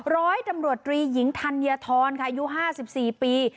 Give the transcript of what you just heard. ร้อยตำรวจตรีหญิงธัญฑรค่ะอายุ๕๔ปี